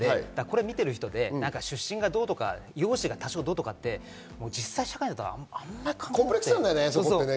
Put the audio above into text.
見ている人で、出身がどうとか、容姿が多少どうとかって、実際社会に出たらあまり関係ない。